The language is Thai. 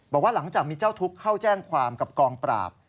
บอกว่าหลังจากมีเจ้าทุกข์เข้าแจ้งความกับกองปราบ